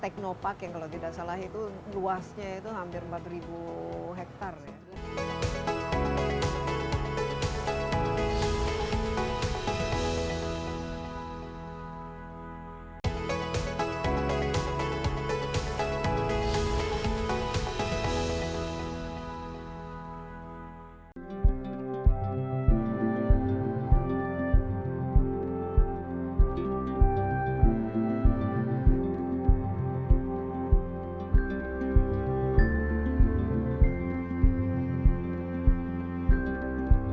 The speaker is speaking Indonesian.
teknopark yang kalau tidak salah itu luasnya itu hampir empat ribu hektar ya